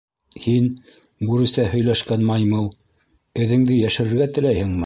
— Һин, бүресә һөйләшкән маймыл, әҙеңде йәшерергә теләйһеңме?